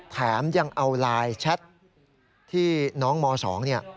แถมยังเอาไลน์แชทที่น้องม๒เนี่ย